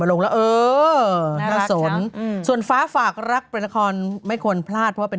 ลงแล้วเออน่าสนส่วนฟ้าฝากรักเป็นนครไม่ควรพลาดเพราะว่าเป็น